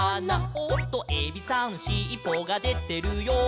「おっとエビさんしっぽがでてるよ」